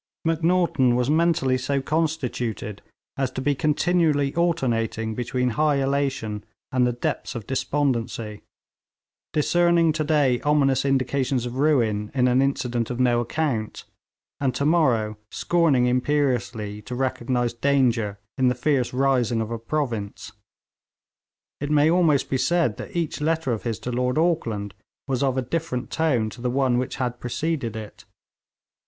Macnaghten was mentally so constituted as to be continually alternating between high elation and the depths of despondency; discerning to day ominous indications of ruin in an incident of no account, and to morrow scorning imperiously to recognise danger in the fierce rising of a province. It may almost be said that each letter of his to Lord Auckland was of a different tone from the one which had preceded it.